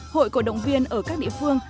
hội cầu động viên ở các địa phương